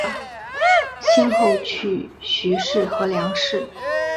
先后娶徐氏和梁氏。